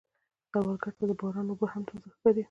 سوالګر ته د باران اوبه هم تازه ښکاري